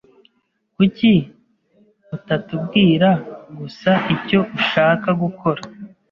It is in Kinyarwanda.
Kuki utatubwira gusa icyo ushaka gukora?